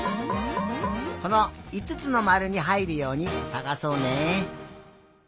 このいつつのまるにはいるようにさがそうね。